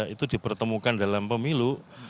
itu dipertemukan dalam pemilu